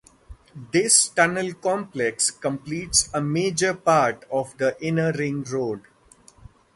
This tunnel complex completes a major part of the inner ring road.